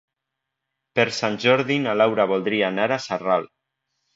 Per Sant Jordi na Laura voldria anar a Sarral.